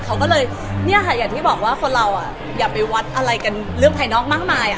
เขาก็เลยเนี่ยค่ะอย่างที่บอกว่าคนเราอย่าไปวัดอะไรกันเรื่องภายนอกมากมาย